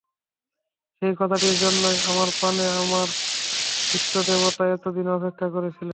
সেই কথাটির জন্যেই আমার প্রাণে আমার ইষ্টদেবতা এত দিন অপেক্ষা করছিলেন।